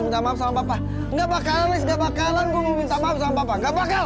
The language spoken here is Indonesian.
minta maaf sama papa enggak bakalan enggak bakalan gue minta maaf sama papa enggak bakal